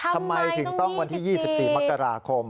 ทำไมถึงต้องวันที่๒๔มกราคม